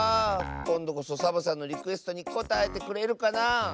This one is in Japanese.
こんどこそサボさんのリクエストにこたえてくれるかなあ。